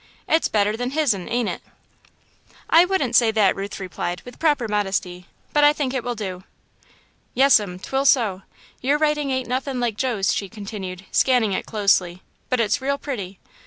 It's better than his'n, ain't it?" "I wouldn't say that," Ruth replied, with proper modesty, "but I think it will do." "Yes'm. 'Twill so. Your writin' ain't nothin' like Joe's," she continued, scanning it closely, "but it's real pretty."